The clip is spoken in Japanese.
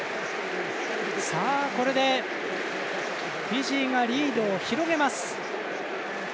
これでフィジーがリードを広げます。